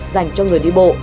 dành cho người đi bộ